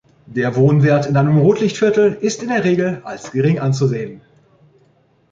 Der Wohnwert in einem Rotlichtviertel ist in der Regel als gering anzusehen.